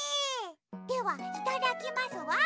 ではいただきますわ。